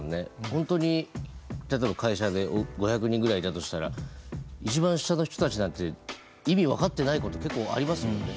本当に例えば会社で５００人ぐらいいたとしたら一番下の人たちなんて意味分かってないこと結構ありますもんね。